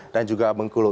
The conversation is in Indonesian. dan juga bengkulu